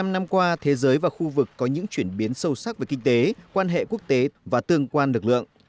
bảy mươi năm năm qua thế giới và khu vực có những chuyển biến sâu sắc về kinh tế quan hệ quốc tế và tương quan lực lượng